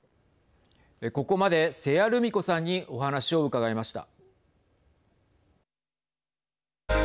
ここまで瀬谷ルミ子さんにお話を伺いました。